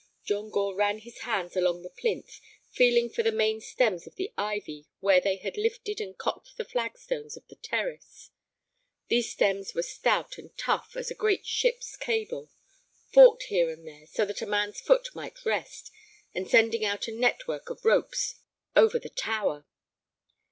John Gore ran his hands along the plinth, feeling for the main stems of the ivy where they had lifted and cocked the flagstones of the terrace. These stems were stout and tough as a great ship's cable, forked here and there so that a man's foot might rest, and sending out a net work of ropes over the tower.